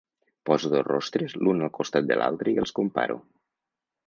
Poso dos rostres l'un al costat de l'altre i els comparo.